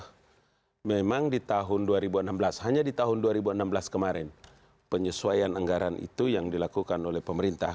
karena memang di tahun dua ribu enam belas hanya di tahun dua ribu enam belas kemarin penyesuaian anggaran itu yang dilakukan oleh pemerintah